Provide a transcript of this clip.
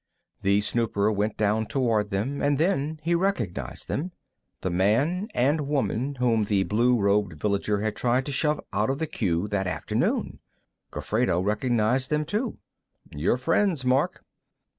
The snooper went down toward them, and then he recognized them. The man and woman whom the blue robed villager had tried to shove out of the queue, that afternoon. Gofredo recognized them, too. "Your friends, Mark.